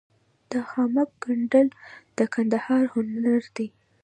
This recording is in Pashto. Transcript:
د خامک ګنډل د کندهار هنر دی.